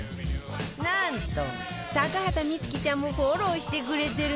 なんと高畑充希ちゃんもフォローしてくれてるのよ